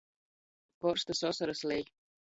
Korstys osorys lej.